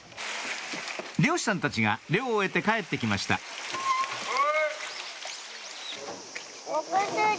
漁師さんたちが漁を終えて帰ってきましたおくすり。